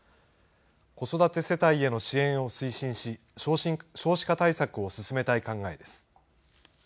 子育て世帯への支援を推進し、少子化対策を進めたい考えです。